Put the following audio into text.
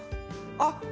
あっ！